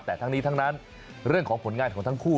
แต่ทั้งนี้ทั้งนั้นเรื่องของผลงานของทั้งคู่